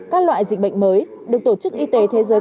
các loại dịch bệnh mới được tổ chức y tế thế giới